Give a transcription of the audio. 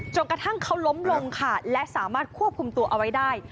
กระทั่งเขาล้มลงค่ะและสามารถควบคุมตัวเอาไว้ได้